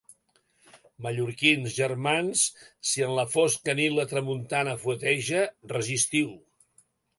Mallorquins, germans, si en la fosca nit la tramuntana fueteja, resistiu!